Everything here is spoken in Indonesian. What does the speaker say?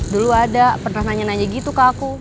dulu ada pernah nanya nanya gitu ke aku